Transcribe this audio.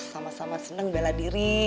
sama sama senang bela diri